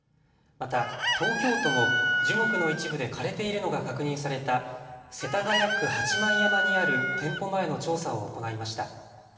また東京都も樹木の一部で枯れているのが確認された世田谷区八幡山にある店舗前の調査を行いました。